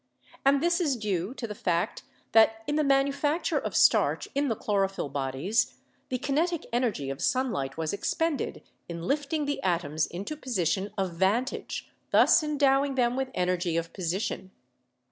And this is due to the fact that in the manufacture of starch in the chlorophyll bodies the kinetic energy of sunlight was expended in lift ing the atoms into position of vantage, thus endowing them with energy of position.